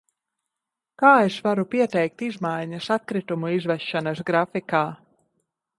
Kā es varu pieteikt izmaiņas atkritumu izvešanas grafikā?